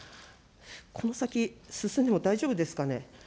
この先、進んでも大丈夫ですかね。